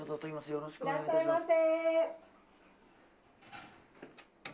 よろしくお願いします。